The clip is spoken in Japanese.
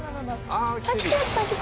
あっ来ちゃった。